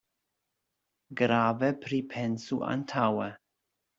Grave pripensu antaŭe.